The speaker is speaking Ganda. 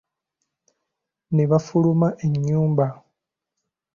Nebafuluma ennyumba.